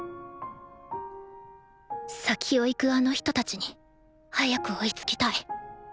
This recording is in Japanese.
先を行くあの人たちに早く追いつきたい。